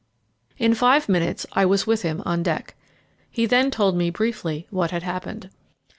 In five minutes I was with him on deck. He then told me briefly what had happened.